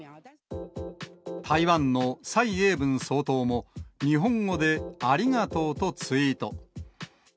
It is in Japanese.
台湾の蔡英文総統も日本語でありがとうとツイート。